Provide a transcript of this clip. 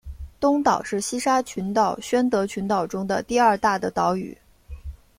东岛是西沙群岛宣德群岛中的第二大的岛屿。